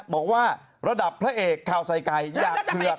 บอกว่าระดับพระเอกข่าวใส่ไก่อยากเผือก